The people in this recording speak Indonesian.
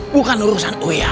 bukan urusan oya